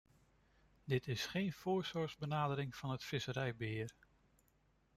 Dit is geen voorzorgsbenadering van het visserijbeheer.